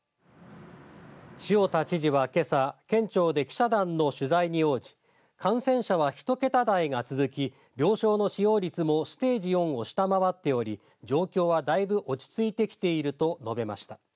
塩田知事はけさ県庁で記者団の取材に応じ感染者は、ひと桁台が続き病床の使用率もステージ４を下回っており状況は、だいぶ落ち着いてきていると述べました。